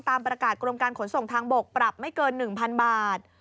ตามประกาศกรมการขนส่งทางบกปรับไม่เกิน๑๐๐๐บาท